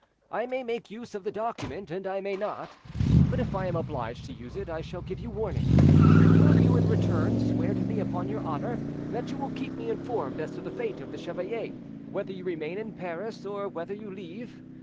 I may make use of the document and I may not, but if I am obliged to use it I shall give you warning. Will you, in return, swear to me upon your honour that you will keep me informed as to the fate of the chevalier, whether you remain in Paris or whether you leave?